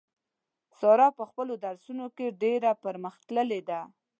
ساره په خپلو درسو نو کې ډېره پر مخ تللې ده.